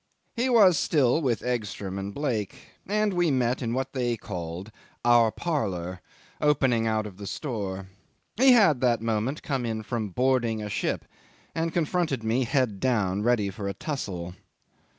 'He was still with Egstrom & Blake, and we met in what they called "our parlour" opening out of the store. He had that moment come in from boarding a ship, and confronted me head down, ready for a tussle.